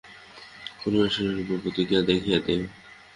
পরিণামে শরীরের উপর প্রতিক্রিয়া দেখা দেয়।